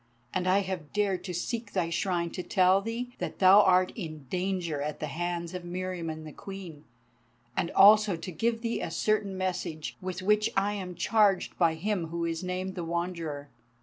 And I have dared to seek thy Shrine to tell thee that thou art in danger at the hands of Meriamun the Queen, and also to give thee a certain message with which I am charged by him who is named the Wanderer."